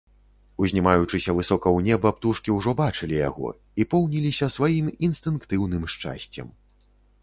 Узнімаючыся высока ў неба, птушкі ўжо бачылі яго і поўніліся сваім інстынктыўным шчасцем.